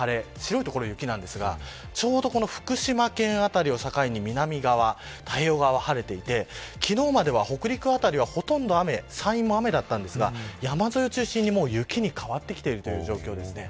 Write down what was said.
オレンジの所は晴れ白い所が雪なんですが福島県辺りを境に南側太平洋側、晴れていて昨日までは、北陸辺りはほとんど雨山陰も雨だったんですが山沿いを中心に雪に変わってきている状況ですね。